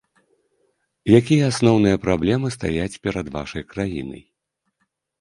Якія асноўныя праблемы стаяць перад вашай краінай?